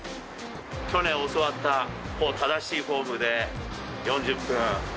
去年教わった正しいフォームで４０分。